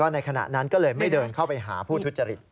ในขณะนั้นก็เลยไม่เดินเข้าไปหาผู้ทุจริต